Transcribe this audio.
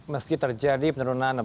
meski terjadi penurunan